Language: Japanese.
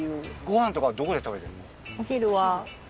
ご飯とかはどこで食べてるの？